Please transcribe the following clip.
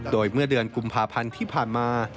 โดยเมื่อเดือนกุมภาพันธ์ที่ผ่านมา